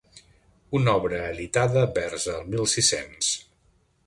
Una obra editada vers el mil sis-cents.